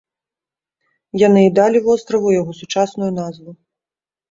Яны і далі востраву яго сучасную назву.